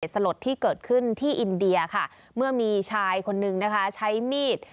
สลดที่เกิดขึ้นที่อินเดียค่ะเมื่อมีชายคนนึงนะคะใช้มีด